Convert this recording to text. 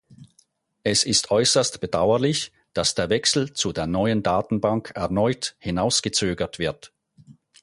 Es ist äußerst bedauerlich, dass der Wechsel zu der neuen Datenbank erneut hinausgezögert wird.